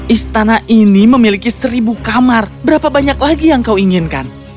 istana ini memiliki seribu kamar berapa banyak lagi yang kau inginkan